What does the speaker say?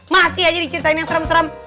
masih aja diceritain yang serem serem